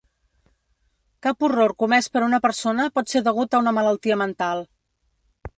Cap horror comès per una persona pot ser degut a una malaltia mental.